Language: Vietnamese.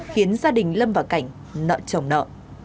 khiến gia đình lâm vào cảnh nợ chồng nợ